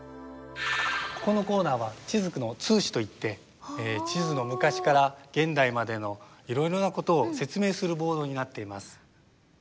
ここのコーナーは地図の通史といって地図の昔から現代までのいろいろなことを説明するボードになっています。